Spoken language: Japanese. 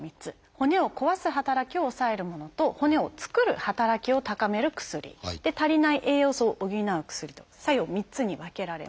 骨を壊す働きを抑えるものと骨を作る働きを高める薬足りない栄養素を補う薬と作用３つに分けられます。